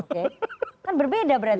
kan berbeda berarti